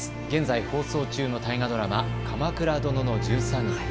現在放送中の大河ドラマ、鎌倉殿の１３人。